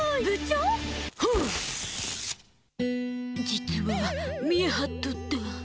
実は見え張っとった。